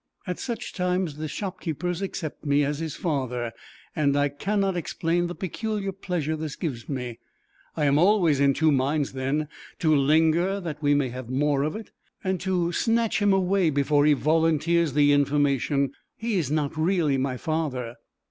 At such times the shopkeepers accept me as his father, and I cannot explain the peculiar pleasure this gives me. I am always in two minds then, to linger that we may have more of it, and to snatch him away before he volunteers the information, "He is not really my father."